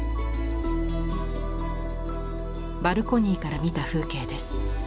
バルコニーから見た風景です。